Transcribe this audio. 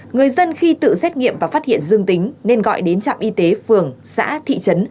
người dân khi tự xét nghiệm và phát hiện dương tính nên gọi đến trạm y tế phường xã thị trấn